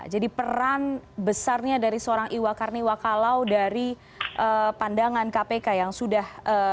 jadi peran besarnya dari seorang iwa karniwa kalau dari pandangan kpk yang sudah